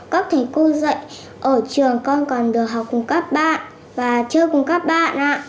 các thầy cô dạy ở trường con còn được học cùng các bạn và chơi cùng các bạn ạ